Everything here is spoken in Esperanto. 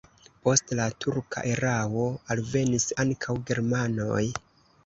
Post la turka erao alvenis ankaŭ germanoj.